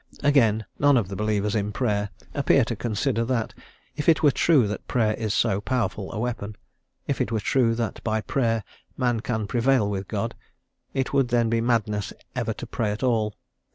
Again, none of the believers in Prayer appear to consider, that, if it were true that Prayer is so powerful a weapon if it were true that by Prayer man can prevail with God it would then be madness ever to pray at all.